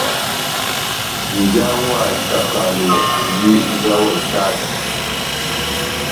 Nja wa ikakalo, andi nja wa itáta.